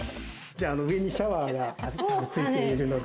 上にシャワーがついているので。